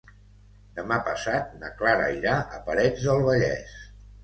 Demà passat na Clara irà a Parets del Vallès.